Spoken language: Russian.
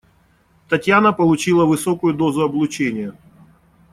Татьяна получила высокую дозу облучения.